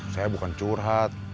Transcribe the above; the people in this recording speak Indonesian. saya bukan curhat